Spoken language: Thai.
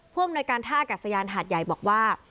อำนวยการท่าอากาศยานหาดใหญ่บอกว่า